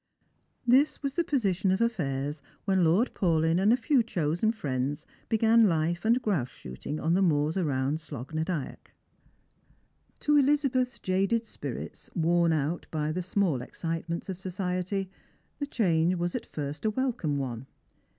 This was the position of affairs when Lord Paulyn and a few chosen friends began Hfe and grouse shooting on the moors ai ound Slogh na Dyack. To Elizabeth's jaded spirits, worn out by the small excite ments of society, the change was at first a welcome one.